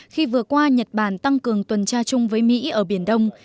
khi vừa qua nhật bản tăng cường tuần tra chung với mỹ ở biển đông